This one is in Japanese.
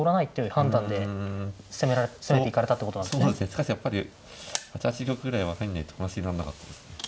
しかしやっぱり８八玉ぐらいは入んないと話になんなかったですね。